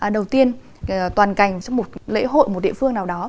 đầu tiên toàn cảnh cho một lễ hội một địa phương nào đó